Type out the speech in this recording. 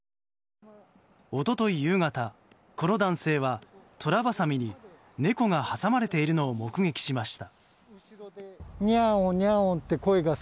一昨日夕方、この男性はトラバサミに猫が挟まれているのを目撃しました。